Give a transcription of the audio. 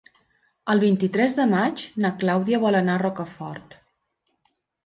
El vint-i-tres de maig na Clàudia vol anar a Rocafort.